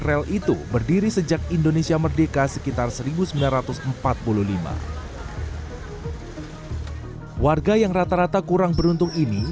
rel itu berdiri sejak indonesia merdeka sekitar seribu sembilan ratus empat puluh lima warga yang rata rata kurang beruntung ini